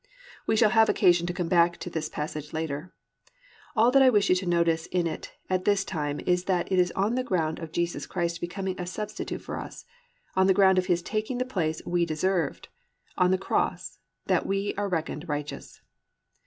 "+ We shall have occasion to come back to this passage later. All that I wish you to notice in it at this time is that it is on the ground of Jesus Christ becoming a substitute for us, on the ground of His taking the place we deserved; on the cross, that we are reckoned righteous.